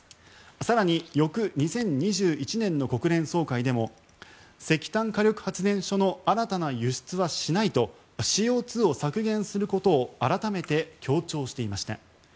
更に翌２０２１年の国連総会でも石炭火力発電所の新たな輸出はしないとＣＯ２を削減することを改めて強調していました。